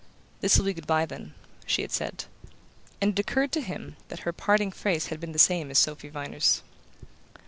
"This will be good bye, then," she had said; and it occurred to him that her parting phrase had been the same as Sophy Viner's.